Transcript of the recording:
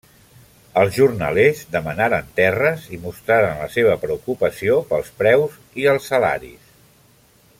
Els jornalers demanaren terres i mostraren la seva preocupació pels preus i els salaris.